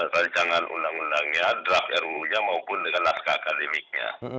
rancangan undang undangnya draft ruu nya maupun dengan naskah akademiknya